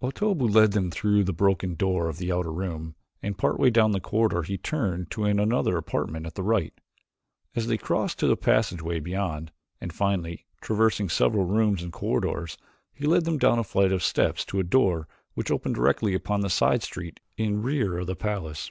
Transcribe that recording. Otobu led them through the broken door of the outer room, and part way down the corridor he turned into another apartment at the right. This they crossed to a passageway beyond, and, finally, traversing several rooms and corridors, he led them down a flight of steps to a door which opened directly upon a side street in rear of the palace.